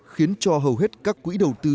khiến cho hầu hết các quỹ đầu tư